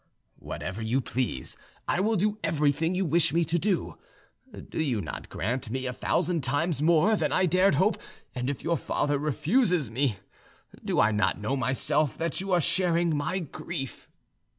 "Whatever you please. I will do everything you wish me to do. Do you not grant me a thousand times more than I dared hope, and if your father refuses me, do I not know myself that you are sharing my grief?"